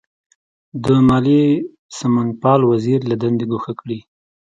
د مالیې سمونپال وزیر له دندې ګوښه کړي.